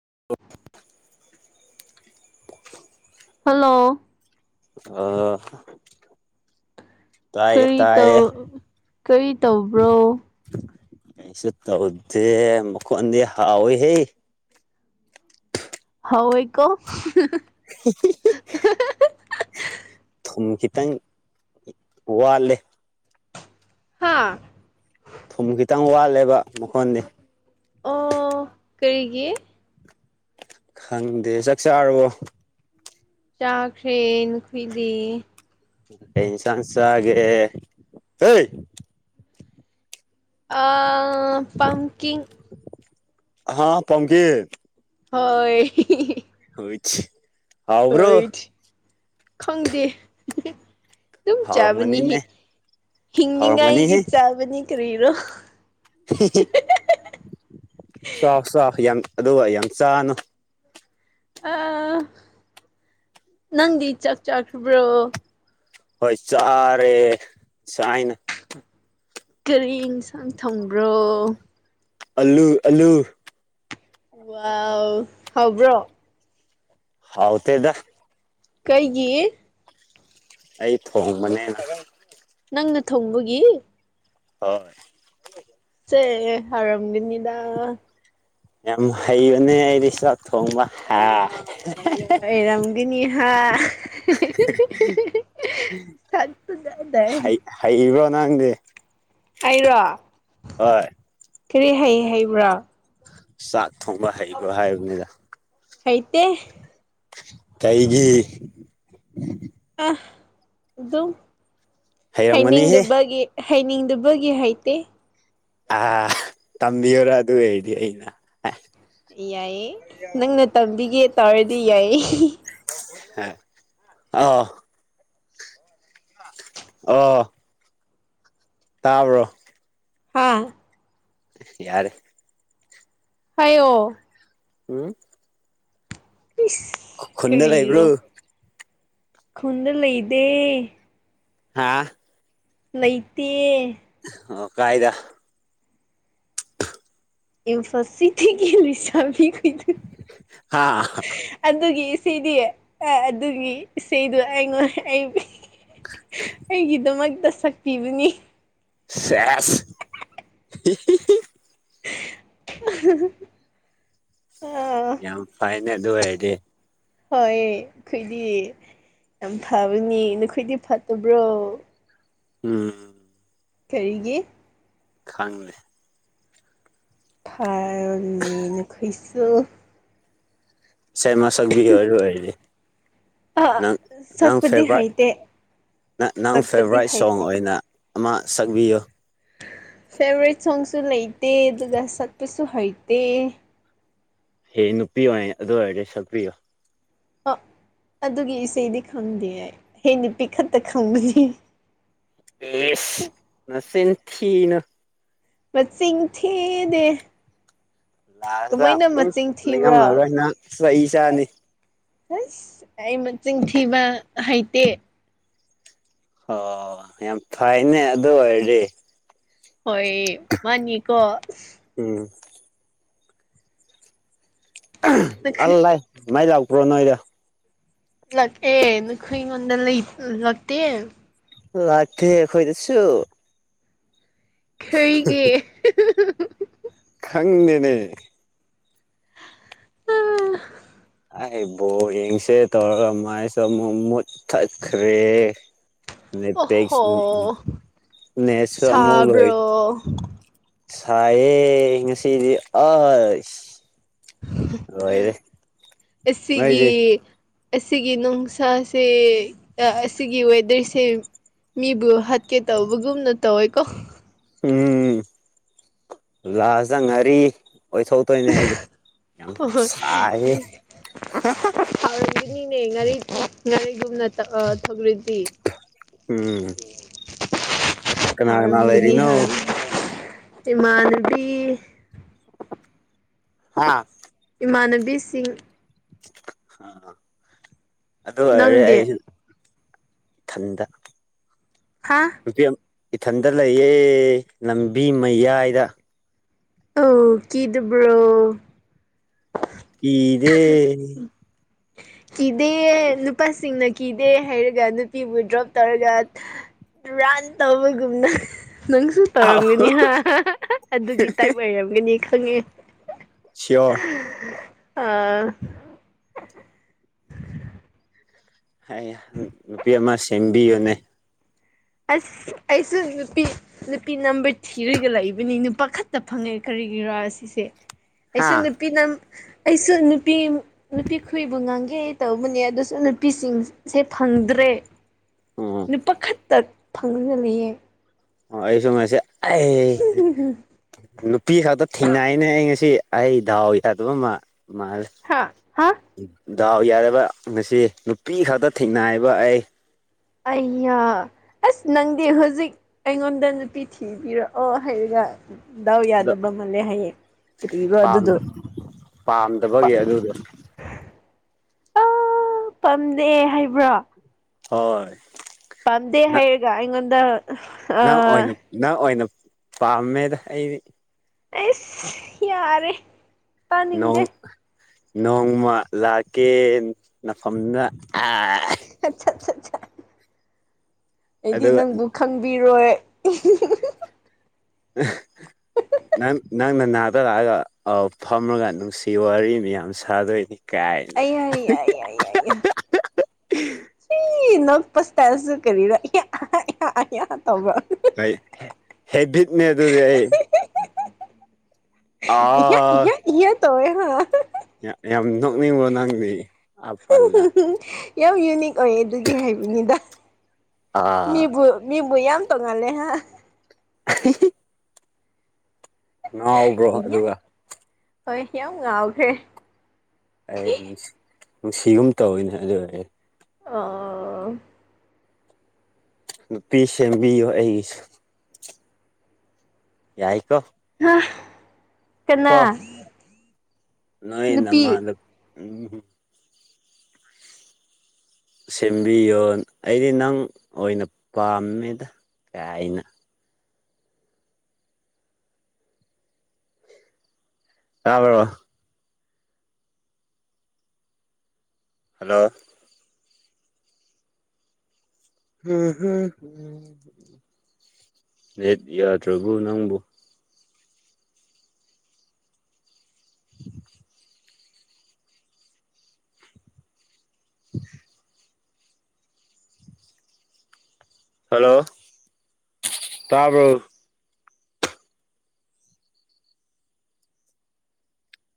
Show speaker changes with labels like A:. A: ꯍ
B: ꯍꯜꯂꯣ
A: ꯑ
B: ꯀꯔꯤ ꯇꯧ ꯀꯔꯤ ꯇꯧꯕ꯭ꯔꯣ
A: ꯀꯩꯁꯨ ꯇꯧꯗꯦ ꯃꯈꯣꯟꯗꯤ ꯍꯥꯎꯋꯤ ꯍꯦ
B: ꯍꯥꯎꯋꯤꯀꯣ
A: [unintelligible] ꯊꯨꯝ ꯈꯤꯇꯪ ꯋꯥꯠꯂꯦ
B: ꯍꯥꯥ
A: ꯊꯨꯝ ꯈꯤꯇꯪ ꯋꯥꯠꯂꯦꯕ ꯃꯈꯣꯟꯗꯤ
B: ꯑꯣ ꯀꯔꯤꯒꯤ
A: ꯈꯪꯗꯦ ꯆꯥꯛ ꯆꯥꯔꯕꯣ
B: ꯆꯥꯈ꯭ꯔꯦ ꯅꯈꯨꯏꯗꯤ
A: ꯑꯩ ꯏꯟꯁꯥꯡ ꯆꯥꯒꯦ ꯍꯩ
B: ꯑ ꯄꯝꯀꯤꯡ
A: ꯍꯥꯥ ꯄꯝꯀꯤꯟ
B: ꯍꯣꯏ
A: ꯍꯥꯎꯕ꯭ꯔꯣ
B: ꯍꯣꯏ ꯈꯪꯗꯦ ꯗꯨꯝ ꯆꯥꯕꯅꯤ
A: ꯍꯥꯎꯔꯝꯒꯅꯤꯅꯦ
B: ꯍꯤꯡꯅꯤꯡꯉꯥꯏꯒꯤ
A: ꯍꯥꯎꯔꯝꯒꯅꯤꯍꯦ
B: ꯆꯥꯕꯅꯤ ꯀꯔꯤꯔꯣ
A: ꯆꯥꯎ ꯆꯥꯎ ꯌꯥꯝ ꯑꯗꯨꯒ ꯌꯥꯝ ꯆꯥꯅꯨ
B: ꯑ ꯅꯪꯗꯤ ꯆꯥꯛ ꯆꯥꯈꯕ꯭ꯔꯣ
A: ꯍꯣꯏ ꯆꯔꯦ ꯆꯥꯏꯅ
B: ꯀꯔꯤ ꯏꯟꯁꯥꯡ ꯊꯣꯡꯕ꯭ꯔꯣ
A: ꯑꯜꯂꯨ ꯑꯜꯂꯨ
B: ꯋꯥꯎ ꯍꯥꯎꯕ꯭ꯔꯣ
A: ꯍꯥꯎ ꯇꯦꯗ
B: ꯀꯩꯒꯤ
A: ꯑꯩ ꯊꯣꯡ ꯃꯅꯦꯅ
B: ꯅꯪꯅ ꯊꯣꯡꯕꯒꯤ
A: ꯍꯣꯏ
B: ꯁꯦ ꯑꯔꯝꯒꯅꯤꯅꯤꯗꯥ
A: ꯌꯥꯝ ꯍꯩꯕꯅꯦ ꯑꯩꯗꯤ ꯆꯥꯛ ꯊꯣꯡꯕ ꯍꯥ
B: ꯑꯣꯏꯔꯝꯒꯅꯤ ꯍꯥ ꯁꯛꯇꯨꯗꯗꯩ
A: ꯍꯩ ꯍꯩꯕꯔꯣ ꯅꯪꯗꯤ
B: ꯑꯩꯔꯣ
A: ꯍꯣꯏ
B: ꯀꯔꯤ ꯍꯩ ꯍꯩꯕ꯭ꯔꯣ
A: ꯆꯥꯛ ꯊꯣꯡꯕ ꯍꯩꯕꯔꯣ ꯍꯥꯏꯕꯅꯤꯗ
B: ꯍꯩꯇꯦ
A: ꯀꯩꯒꯤ
B: ꯑ ꯑꯗꯨꯝ
A: ꯍꯩꯔꯝꯒꯅꯤꯍꯦ
B: ꯍꯥꯏꯅꯤꯡꯗꯕꯒꯤ ꯍꯩꯅꯤꯡꯗꯕꯒꯤ ꯍꯩꯇꯦ
A: ꯑ ꯇꯝꯕꯤꯌꯨꯔ ꯑꯗꯨ ꯑꯣꯏꯔꯗꯤ ꯑꯩꯅ
B: ꯌꯥꯏꯌꯦ ꯅꯪꯅ ꯇꯝꯕꯤꯒꯦ ꯇꯥꯔꯗꯤ ꯌꯥꯏꯌꯦ
A: ꯍ ꯑꯣ ꯑꯣ ꯇꯥꯕ꯭ꯔꯣ
B: ꯍꯥꯥ
A: ꯌꯥꯔꯦ
B: ꯍꯥꯏꯌꯣ
A: ꯎꯝ
B: ꯏꯁ
A: ꯈꯨꯟꯗ ꯂꯩꯕ꯭ꯔꯣ
B: ꯀꯔꯤꯔꯣ ꯈꯨꯟꯗ ꯂꯩꯗꯦ
A: ꯍꯥꯥ
B: ꯂꯩꯇꯦ
A: ꯑꯣ ꯀꯥꯏꯗ
B: ꯏꯝꯐꯥꯜ ꯁꯤꯊꯤꯒꯤ ꯂꯩꯁꯥꯕꯤ ꯀꯩꯗꯤ
A: ꯍꯥ
B: ꯑꯗꯨꯒꯤ ꯁꯤꯗꯤ ꯑ ꯑꯗꯨꯒꯤ ꯏꯁꯩꯗꯣ ꯑꯩꯉꯣꯟ ꯑꯩ ꯑꯩꯒꯤꯗꯃꯛꯇ ꯁꯛꯄꯤꯕꯅꯤ
A: ꯆꯦꯁ ꯍꯤꯍꯤꯍꯤ
B: ꯑꯍꯍꯍ
A: ꯌꯥꯝ ꯐꯥꯏꯅꯦ ꯑꯗꯨ ꯑꫭꯏꯔꯗꯤ
B: ꯍꯣꯏꯌꯦ ꯑꯈꯣꯏꯗꯤ ꯌꯥꯝ ꯐꯕꯅꯤ ꯅꯈꯣꯏꯗꯤ ꯐꯠꯇꯕ꯭ꯔꯣ
A: ꯎꯝ
B: ꯀꯔꯤꯒꯤ
A: ꯈꯪꯗꯦ
B: ꯊꯥꯔꯕꯅꯤ ꯅꯈꫭꯏꯁꯨ
A: ꯁꯦꯝ ꯃꯁꯛꯕꯤꯒꯦ ꯑꯣꯏꯔ ꯑꯗꯨ ꯑꫭꯏꯔꯗꯤ
B: ꯑ ꯁꯛꯄꯗꯤ ꯍꯩꯇꯦ
A: ꯅꯪ ꯅꯪ
B: ꯁꯛꯄꯗꯤ
A: ꯐꯦꯕꫭꯔꯥ꯭ꯏꯠ ꯁꯣꯡ
B: ꯍꯩꯇꯦ
A: ꯑꯣꯏꯅ ꯑꯃ ꯁꯪꯕꯤꯌꯨ
B: ꯐꯦꯕꫭꯔꯥ꯭ꯏꯠ ꯁꯣꯡꯁꯨ ꯂꯩꯇꯦ ꯑꯗꯨꯒ ꯁꯠꯄꯁꯨ ꯍꯩꯇꯦ
A: ꯍꯦ ꯅꯨꯄꯤ ꯑꯣꯏ ꯑꯗꯨ ꯑꯣꯏꯔꯗꯤ ꯁꯛꯄꯤꯌꯣ
B: ꯑ ꯑꯗꯨꯒꯤ ꯏꯁꯩꯗꯤ ꯈꯪꯗꯤꯌꯦ ꯍꯦꯛ ꯅꯨꯄꯤꯛ ꯈꯛꯇ ꯈꯪꯕꯅꯤ
A: ꯑꯦꯁ ꯅꯆꯤꯟ ꯊꯤꯅꯨ
B: ꯃꯆꯤꯡ ꯊꯤꯗꯦ
A: ꯂꯥꯁꯇ
B: ꯀꯃꯥꯏꯅ
A: ꯎꯝ
B: ꯃꯆꯤꯡ
A: ꯅꯤꯡꯉꯝ
B: ꯊꯤꯕ꯭ꯔꯥ
A: ꯍꯧꯔꫭꯏ ꯅꯪ ꯆꯩ ꯆꯥꯅꯤ
B: ꯑꯁ ꯑꯩ ꯃꯆꯤꯟ ꯊꯤꯕ ꯍꯩꯇꯦ
A: ꯍꯣ ꯌꯥꯝ ꯐꯩꯅꯦ ꯑꯗꯨ ꯑꯣꯏꯔꯗꯤ
B: ꯍꯣꯏ ꯃꯥꯅꯤꯀꯣ
A: ꯎꯝ ꯑ
B: ꯅꯈꯣꯏ
A: ꯑꯜꯂꯥꯏ ꯃꯩ ꯂꯥꯛ ꯄꯨ꯭ꯔꯣ ꯅꯣꯏꯗ
B: ꯂꯛꯑꯑꯦ ꯅꯈꯣꯏ ꯉꯣꯟꯗꯂꯩ ꯂꯛꯇꯦ
A: ꯂꯥꯛꯇꯦ ꯑꯈꯣꯏꯗꯁꯨ
B: ꯈꯩꯒꯤ
A: ꯈꯪꯗꯦꯅꯦ ꯑꯩ ꯕꫭ ꯌꯦꯡꯁꯦ ꯇꯧꯔꯒ ꯃꯥꯏꯁꯨ ꯑꯃꯨꯛ ꯃꯨꯠꯊꯠꯈ꯭ꯔꯦ ꯅꯤꯠꯄꯤꯛꯁ
B: ꯑꯣꯍꯣ
A: ꯎꯝ ꯅꯦꯠꯁꯨ ꯑꯃꯨꯛ ꯂꫭꯏ
B: ꯁꯥꯕ꯭ꯔꯣ
A: ꯁꯥꯏꯌꯦ ꯉꯁꯤꯗꯤ ꯑꯁ ꯂꯣꯏꯔꯦ
B: ꯑꯦꯁꯤꯒꯤ
A: ꯅꯣꯏꯗꯤ
B: ꯑꯁꯤꯒꯤ ꯅꯨꯡꯁꯥꯁꯦ ꯑꯩ ꯑꯁꯤꯒꯤ ꯋꯦꯗꯔꯁꯦ ꯃꯤꯕꯨ ꯍꯥꯠꯀꯦ ꯇꯧꯕꯒꯨꯝꯅ ꯇꯧꯋꯦꯀꯣ
A: ꯎꯝ ꯂꯥꯁꯇ ꯉꯥꯔꯤ ꯑꯣꯏ ꯊꯣꯛꯇꯣꯏꯅꯦ ꯑꯩꯗꯤ ꯌꯥꯝ
B: ꯍꯣꯏ
A: ꯁꯥꯏꯌꯦ ꯍꯥ ꯍꯥ
B: ꯅꯤꯅꯦ ꯉꯥꯔꯤ ꯉꯥꯔꯤꯒꯨꯝꯅ ꯇꯛꯑꫭ ꯊꯧ
A: ꯎꯝ ꯀ ꯀꯅꯥ ꯀꯅꯥ ꯂꯩꯔꯤꯅꯣ
B: ꯏꯃꯥꯟꯗꯤ
A: ꯍꯥꯥ
B: ꯃꯅꯕꯤꯁꯤꯡ
A: ꯑ ꯑꯗꯨ ꯑꯣꯏꯔꯦ
B: ꯅꯪꯗꯤ
A: ꯑꯩꯁꯨ ꯊꯟꯗ
B: ꯍꯥ
A: ꯀꯄꯌꯥ ꯏꯊꯟꯗ ꯂꯩꯌꯦ ꯂꯝꯕꯤ ꯃꯌꯥꯏꯗ
B: ꯑ ꯀꯤꯗꯨꯕ꯭ꯔꯣ
A: ꯀꯤꯗꯦ
B: ꯀꯤꯗꯦ ꯅꯨꯄꯥꯁꯤꯡꯅ ꯀꯤꯗꯦ ꯍꯥꯏꯔꯒ ꯅꯨꯄꯤꯕꯨ ꯗ꯭ꯔꯣꯞ ꯇꯧꯔꯒ ꯔꯥꯟ ꯇꯧꯕꯒꯨꯝꯅ ꯅꯪꯁꯨ ꯇꯧꯔꯝꯒꯅꯤ ꯍꯥ ꯑꯗꯨꯒꯤ ꯇꯥꯏꯞ ꯑꯣꯏꯔꯝꯒꯅꯤ ꯈꯪꯉꯦ
A: ꯁꯤꯌꯣꯔ
B: ꯑ
A: ꯅꯨꯄꯤ ꯑꯃ ꯁꯦꯝꯕꯤ ꯑꯣꯅꯦ
B: ꯑꯁ ꯑꯩꯁꯨ ꯅꯨꯄꯤ ꯅꯨꯄꯤ ꯅꯝꯕꯔ ꯊꯤꯔꯒ ꯂꯩꯕꯅꯤ ꯅꯨ ꯄꯥꯈꯠꯇ ꯐꯪꯉꯦ ꯀꯔꯤꯒꯤꯔꯥ ꯁꯤꯁꯦ
A: ꯍꯥ
B: ꯑꯩꯁꯨ ꯅꯨꯄꯤꯅ ꯑꯩꯁꯨ ꯅꯨꯄꯤ ꯅꯨꯄꯤ ꯈꯨꯕꯨ ꯉꯥꯡꯒꯦ ꯇꯧꯕꯅꯦ ꯑꯗꯨꯁꯨ ꯅꯨꯄꯤꯁꯤꯡꯁꯦ ꯐꯪꯗ꯭ꯔꯦ
A: ꯎꯝ
B: ꯅꯨꯄꯥ ꯈꯛꯇ ꯐꯪꯗꯨꯅ ꯂꯩꯌꯦ
A: ꯑꯣ ꯑꯩꯁꯨ ꯉꯁꯤ ꯑꯩ ꯅꯨꯄꯤ ꯈꯛꯇ ꯊꯦꯡꯅꯏꯅꯦ ꯑꯩ ꯉꯁꯤ ꯑꯩ ꯗꯥꯎ ꯌꯥꯗꯕ ꯃꯥꯜꯂꯦ
B: ꯍꯥ ꯍꯥ
A: ꯗꯥꯎ ꯌꯥꯔꯕ ꯉꯁꯤ ꯅꯨꯄꯤ ꯈꯛꯇ ꯊꯦꯡꯅꯥꯏꯕ ꯑꯩ
B: ꯑꯩꯌꯥ ꯑꯁ ꯅꯪꯗꯤ ꯍꯧꯖꯤꯛ ꯑꯩꯉꯣꯟꯗ ꯅꯨꯄꯤ ꯊꯤꯕꯤꯔꯛꯑꯣ ꯍꯥꯏꯔꯒ ꯗꯥꯎ
A: ꯑꯗꯣ
B: ꯌꯥꯗꯕ ꯃꯥꯜꯂꯦ ꯍꯌꯦꯡ ꯀꯔꯤꯔꯣ ꯑꯗꯨꯗꯣ ꯄꯥ
A: ꯄꯥꯝꯗꯕꯒꯤ ꯑꯗꯨꯗꯣ
B: ꯑꯥ ꯄꯥꯝꯗꯦ ꯍꯥꯏꯕ꯭ꯔꯣ
A: ꯍꯣꯏ
B: ꯄꯗꯦ ꯍꯥꯏꯌꯦꯒ ꯏꯉꯗ
A: ꯅꯪ ꯑꯣꯏꯅ ꯅꯪ ꯑꯣꯏꯅ ꯄꯥꯝꯃꯦꯗ ꯑꯩꯗꯤ
B: ꯑ ꯌꯥꯔꯦ ꯄꯥꯅꯤꯡꯗ
A: ꯅꯣꯡꯃ ꯂꯥꯛꯀꯦ ꯅꯐꯝꯗ
B: ꯑꯆꯥ ꯑꯆꯥ ꯑ ꯑꯩꯗꯤ
A: ꯑꯗꯨꯒ
B: ꯅꯪꯕꯨ ꯈꯪꯕꯤꯔꯣꯏ
A: ꯎ ꯅꯪ ꯅꯪꯅ ꯅꯥꯗꯔꯛꯑꯒ ꯐꯝꯃꯒ ꯅꯨꯡꯁꯤ ꯋꯥꯔꯤ ꯃꯌꯥꯝ ꯁꯥꯗꯣꯏꯅꯤ ꯀꯥꯏꯅ
B: ꯑꯩꯌꯥ ꯌꯥ ꯌꯥ ꯌꯥ ꯌꯥ ꯁꯤ ꯏ ꯄꯁ ꯇꯁꯔꯤꯔ ꯇꯕ
A: ꯑꯩ ꯍꯦꯕꯤꯠꯅꯦ ꯑꯗꯨꯗꯤ ꯑꯩ
B: ꯏ
A: ꯑꯥ
B: ꯏ ꯏ ꯇꯧꯋ ꯍꯥ
A: ꯌꯥꯝ ꯅꯣꯛꯅꯤꯡꯉꯣ ꯅꯪꯗꯤ ꯑ ꯄꯜꯂ
B: ꯌꯥꯝ ꯌꯨꯅꯤꯛ ꯑꯣꯏ ꯑꯗꯨꯒꯤ ꯍꯥꯏꯕꯅꯤꯗ
A: ꯑꯥ
B: ꯃꯤꯕꯨ ꯃꯤꯕꯨ ꯌꯥꯝ ꯇꯣꯡꯉꯜꯂꯦ ꯍꯥꯏ
A: [inaudible] [unintelligible] ꯅꯎꯕ꯭ꯔꯣ ꯑꯗꯨ
B: ꯏꯌꯥ
A: ꯋꯥ
B: ꯍꯣꯏ ꯌꯥꯝ ꯉꯥꯎꯈ꯭ꯔꯦ
A: ꯑꯩ ꯅꯨꯡꯁꯤꯒꯨꯝ ꯇꯧꯋꯤꯅꯦ ꯑꯗꯨ ꯑꯣꯏ ꯑꯩ
B: ꯑꯥ
A: ꯄꯁꯕꯤꯌꯣ ꯑꯩꯒꯤꯁꯨ ꯌꯥꯏꯀꯣ
B: ꯍꯥ ꯀꯅꯥ
A: ꯅꯣꯏꯣꯏ ꯅ ꯃꯥ
B: ꯅꯨꯄꯤ
A: ꯑꯗꯨ ꯎꯝ ꯁꯦꯝꯕꯤꯌꯣ ꯑꯩꯗꯤ ꯅꯪ ꯑꯣꯏꯅ ꯄꯥꯝꯃꯦꯗ ꯀ ꯑꯥꯏꯩꯅ ꯑꯕ꯭ꯔꯕꯥ ꯍꯜꯂꯣ ꯍꯝ ꯍꯝ ꯅꯦꯠ ꯌꯥꯗ꯭ꯔꯕꯨ ꯅꯪꯕꯨ [inaudible] [unintelligible] ꯍꯜꯂꯣ ꯇꯥꯕ꯭ꯔꯎ